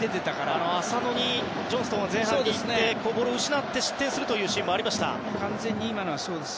前半、浅野にジョンストンが行ってボールを失って失点するシーンもありました。